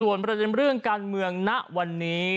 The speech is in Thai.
ส่วนประจำเรื่องการเมืองนะวันนี้